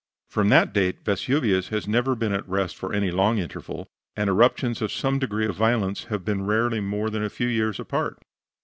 From that date Vesuvius has never been at rest for any long interval, and eruptions of some degree of violence have been rarely more than a few years apart.